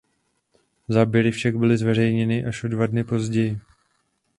Záběry však byly zveřejněny až o dva dny později.